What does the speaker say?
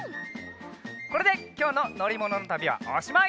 これできょうののりもののたびはおしまい！